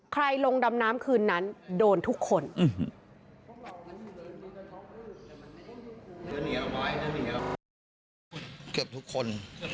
ลงดำน้ำคืนนั้นโดนทุกคน